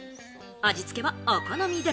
味付けはお好みで。